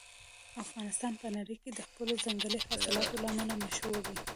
افغانستان په نړۍ کې د خپلو ځنګلي حاصلاتو له امله مشهور دی.